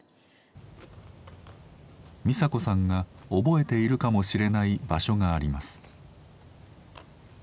ミサ子さんが覚えているかもしれない場所があります。